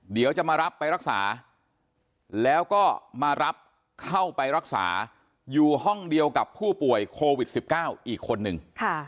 เดี๋ยวจะมารับไปรักษาแล้วก็มารับเข้าไปรักษาอยู่ห้องเดียวกับผู้ป่วยโควิด๑๙อีกคนนึง